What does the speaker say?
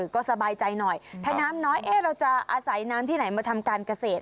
ก็สบายใจหน่อยถ้าน้ำน้อยเราจะอาศัยน้ำที่ไหนมาทำการเกษตร